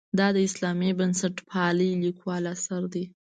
دا د اسلامي بنسټپالنې لیکوال اثر دی.